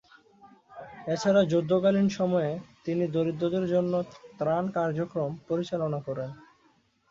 এছাড়া যুদ্ধকালীন সময়ে তিনি দরিদ্রদের জন্য ত্রাণ কার্যক্রম পরিচালনা করেন।